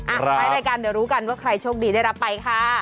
ท้ายรายการเดี๋ยวรู้กันว่าใครโชคดีได้รับไปค่ะ